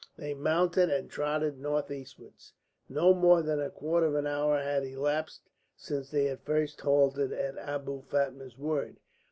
They mounted and trotted northeastwards. No more than a quarter of an hour had elapsed since they had first halted at Abou Fatma's word.